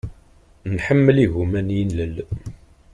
Nḥemmel igumma n yilel.